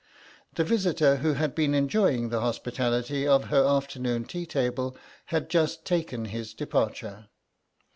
The visitor who had been enjoying the hospitality of her afternoon tea table had just taken his departure.